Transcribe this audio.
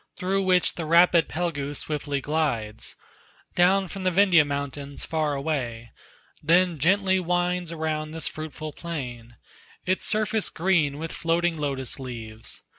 Through which the rapid Phalgu swiftly glides, Down from the Vindhya mountains far away, Then gently winds around this fruitful plain, Its surface green with floating lotus leaves.